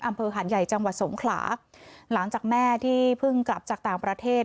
อำเภอหาดใหญ่จังหวัดสงขลาหลังจากแม่ที่เพิ่งกลับจากต่างประเทศ